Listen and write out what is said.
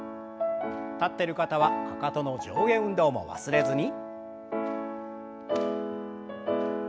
立ってる方はかかとの上下運動も忘れずに。